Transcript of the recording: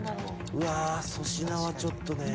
・うわ粗品はちょっとね。